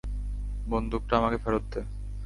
বন্দুকটা আমাকে ফেরত দে।